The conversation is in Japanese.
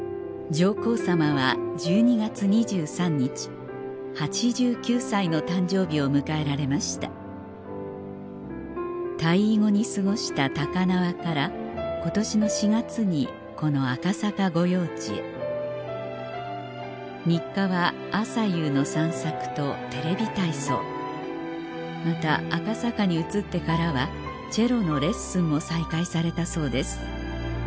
上皇さまは１２月２３日８９歳の誕生日を迎えられました退位後に過ごした高輪から今年の４月にこの赤坂御用地へ日課は朝夕の散策とテレビ体操また赤坂に移ってからはチェロのレッスンも再開されたそうです